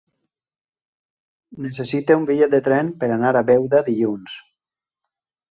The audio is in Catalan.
Necessito un bitllet de tren per anar a Beuda dilluns.